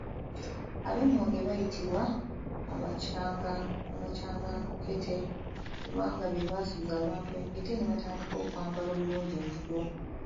Ab'engonge bayitibwa 'abakyangankete' kubanga be basuuza abantu enkete ne batandika okwambala obulungi embugo.